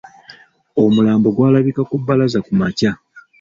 Omulambo gwalabika ku Bbalaza ku makya.